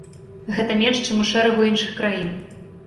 Гэта менш, чым у шэрагу іншых краін.